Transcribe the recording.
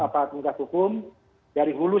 aparat tindak hukum dari hulu